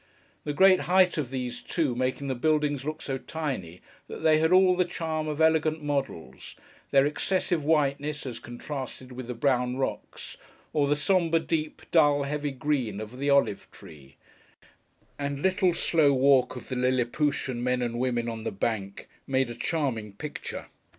The great height of these, too, making the buildings look so tiny, that they had all the charm of elegant models; their excessive whiteness, as contrasted with the brown rocks, or the sombre, deep, dull, heavy green of the olive tree; and the puny size, and little slow walk of the Lilliputian men and women on the bank; made a charming picture.